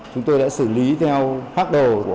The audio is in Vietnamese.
chúng tôi đã xử lý theo phát đầu